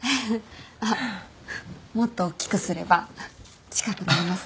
あっもっとおっきくすれば近くなれます。